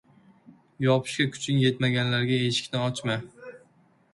• Yopishga kuching yetmaganlarga eshikni ochma.